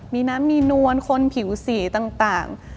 มีน้ำมีนวลคนผิวสีต่าง